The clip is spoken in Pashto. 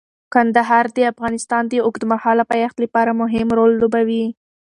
کندهار د افغانستان د اوږدمهاله پایښت لپاره مهم رول لوبوي.